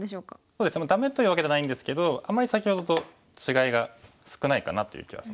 そうですねダメというわけではないんですけどあんまり先ほどと違いが少ないかなという気がします。